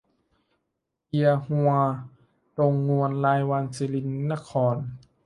เกียฮั้ว ตงง้วน รายวัน ศิรินคร